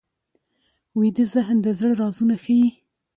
ویده ذهن د زړه رازونه ښيي